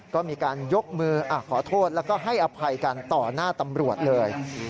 ก็มีการยกมือขอโทษแล้วก็ให้อภัยกันต่อหน้าตำรวจเลย